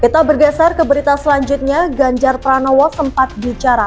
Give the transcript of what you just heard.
kita bergeser ke berita selanjutnya ganjar pranowo sempat bicara